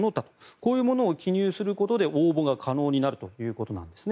こういうものを記入することで応募が可能になるということです。